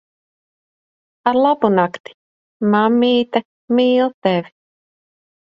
Arlabunakti. Mammīte mīl tevi.